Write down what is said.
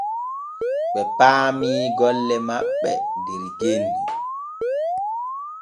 Ɓe paami golle maɓɓe der genni.